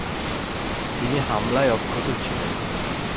তিনি হামলায় অক্ষত ছিলেন।